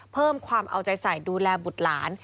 เพิ่มความเอาใจใส่ดูแลบุตรหลาน